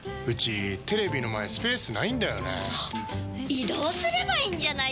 移動すればいいんじゃないですか？